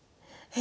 え？